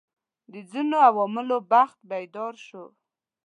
د ځینو علومو بخت بیدار شو.